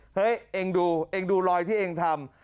เฮ้ยเองดูเองดูรอยที่เองทำ